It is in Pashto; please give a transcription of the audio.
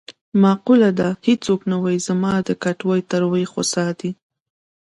معقوله ده: هېڅوک نه وايي چې زما د کټوې تروې خسا دي.